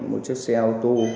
một chiếc xe ô tô